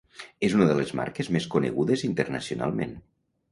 És una de les marques més conegudes internacionalment.